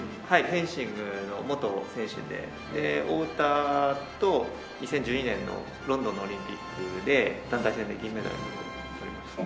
フェンシングの元選手でで太田と２０１２年のロンドンのオリンピックで団体戦で銀メダルを取りました。